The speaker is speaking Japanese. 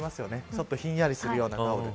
ちょっとひんやりするようなタオル。